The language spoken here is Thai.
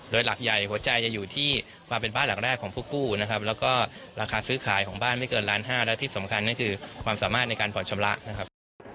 โดยหลักใหญ่หัวใจจะอยู่ที่ความเป็นบ้านหลังแรกของผู้กู้นะครับแล้วก็ราคาซื้อขายของบ้านไม่เกินล้านห้าและที่สำคัญก็คือความสามารถในการผ่อนชำระนะครับ